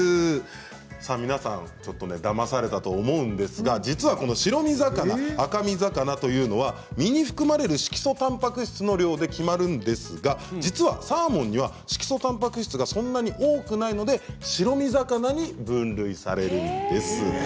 皆さんだまされたと思うんですけど実は、白身魚赤身魚というのは身に含まれる色素たんぱく質の量で決まるんですが実はサーモンには色素たんぱく質がそんなに多くないので白身魚に分類されるんです。